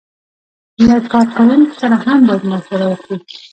له کارکوونکو سره هم باید مشوره وکړي.